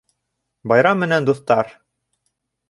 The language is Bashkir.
Байрам менән, дуҫтар!